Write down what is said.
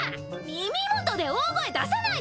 耳元で大声出さないでよ！